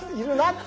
って。